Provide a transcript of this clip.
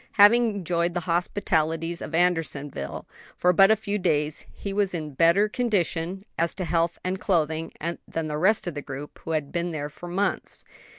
Having enjoyed the hospitalities of Andersonville for but a few days, he was in better condition, as to health and clothing, than the rest of the group, who had been there for months.